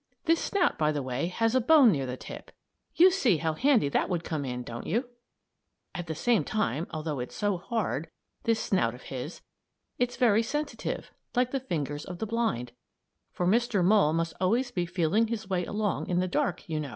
This snout, by the way, has a bone near the tip. You see how handy that would come in, don't you? At the same time, although it's so hard this snout of his it's very sensitive, like the fingers of the blind; for Mr. Mole must always be feeling his way along in the dark, you know.